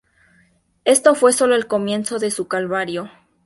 Esto fue sólo el comienzo de su calvario.